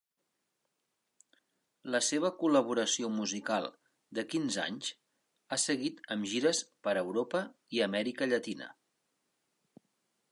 La seva col·laboració musical de quinze anys ha seguit amb gires per Europa i Amèrica Llatina.